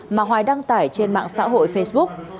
mà hoài đăng tải trên mạng xã hội facebook